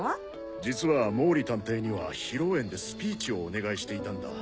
実は毛利探偵には披露宴でスピーチをお願いしていたんだ。